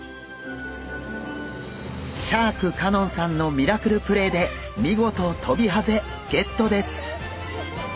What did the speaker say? シャーク香音さんのミラクルプレーで見事トビハゼゲットです。